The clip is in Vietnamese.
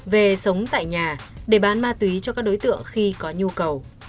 về sống tại nhà để bán ma túy cho các đối tượng khi có nhu cầu